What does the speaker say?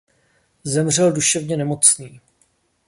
Zemřel duševně nemocný.